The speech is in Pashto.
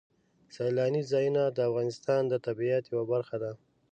سیلاني ځایونه د افغانستان د طبیعت یوه برخه ده.